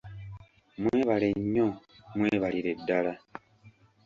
Mwebale nnyo mwebalire ddala.